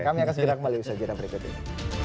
kami akan segera kembali ke segera berikutnya